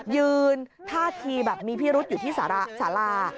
ยืนภาษีแบบมีพี่รุดอยู่ในศาลา